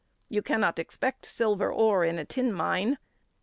You cannot expect silver ore in a tin mine.